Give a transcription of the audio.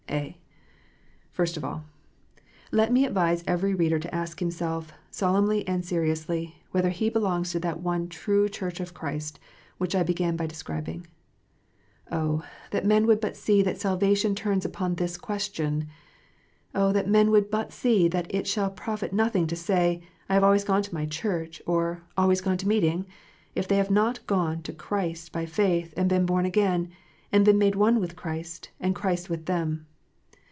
(a) First of all, let me advise every reader to ask himself, solemnly and seriously, whether he belongs to that one true Church of Christ which I began by describing. Oh, that men would but see that salvation turns upon this question ! Oh, that men would but see that it shall profit nothing to say, " I have always gone to my Church," or " always gone to Meeting," if they have not gone to Christ by faith, and been born again, and been made one with Christ, and Christ with them